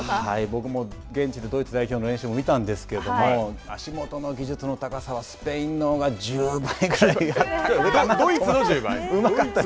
僕も現地でドイツ代表の練習も見たんですけれども、足元の技術の高さは、スペインのほうが１０倍ぐらいあったかなと思いました。